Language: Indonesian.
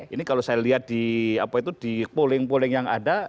ini kalau saya lihat di polling polling yang ada